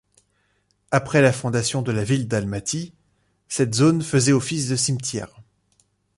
Après la fondation de la ville d'Almaty, cette zone faisait office de cimetière.